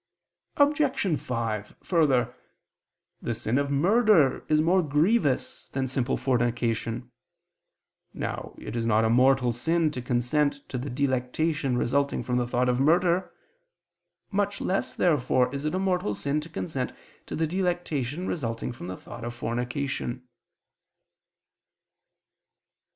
Obj. 5: Further, the sin of murder is more grievous than simple fornication. Now it is not a mortal sin to consent to the delectation resulting from the thought of murder. Much less therefore is it a mortal sin to consent to the delectation resulting from the thought of fornication.